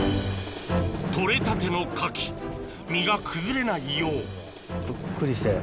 採れたてのカキ身が崩れないようぷっくりして。